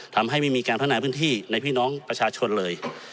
ทำให้ไม่มีการพัฒนาพื้นที่ในพี่น้องประชาชนเลย